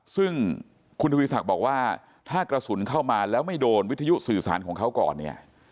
ซึ่งคุณทวีศักดิ์บอกว่าถ้ากระสุนเข้ามาแล้วไม่โดนวิทยุสื่อสารของเขาก่อนเนี่ย